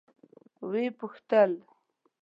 ويې پوښتل.